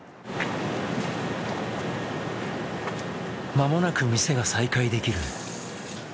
まもなく店が再開できる。